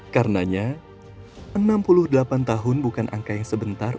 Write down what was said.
karenanya enam puluh delapan tahun bukan angka yang sebentar